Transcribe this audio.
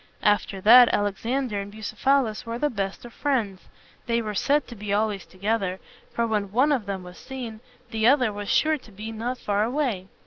After that, Alexander and Bucephalus were the best of friends. They were said to be always together, for when one of them was seen, the other was sure to be not far away.